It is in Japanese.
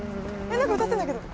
何か歌ってんだけど。